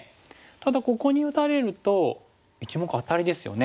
ただここに打たれると１目アタリですよね。